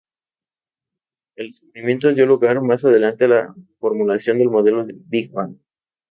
Este descubrimiento dio lugar más adelante a la formulación del modelo del Big Bang.